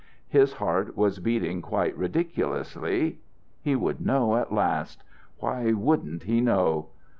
His heart was beating quite ridiculously. He would know at last What wouldn't he know?